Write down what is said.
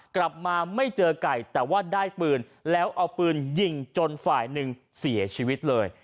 กลับมาไม่เจอไก่แต่ว่าได้ปืนแล้วเอาปืนยิงจนฝ่ายหนึ่งเสียชีวิตเลย